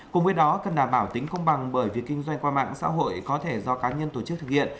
cùng với đó cần đảm bảo tính công bằng bởi việc kinh doanh qua mạng xã hội có thể do cá nhân tổ chức thực hiện